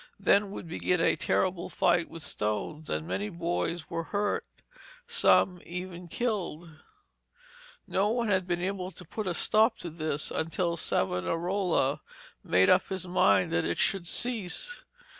Then would begin a terrible fight with stones, and many of the boys were hurt, and some even killed. No one had been able to put a stop to this until Savonarola made up his mind that it should cease.